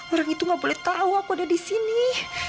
orang itu gak boleh tau aku ada disini